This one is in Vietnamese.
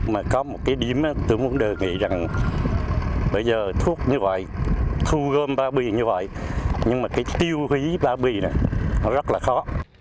mà có một cái điểm tôi muốn đề nghị rằng bây giờ thuốc như vậy thu gom bao bì như vậy nhưng mà cái tiêu hủy bao bì này nó rất là khó